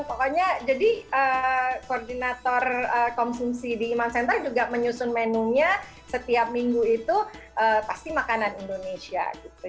pokoknya jadi koordinator konsumsi di iman center juga menyusun menunya setiap minggu itu pasti makanan indonesia gitu